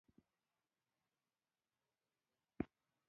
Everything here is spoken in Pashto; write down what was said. د ستوني د درد لپاره د شاتو او لیمو څاڅکي وکاروئ